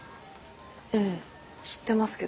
ええ知ってますけど。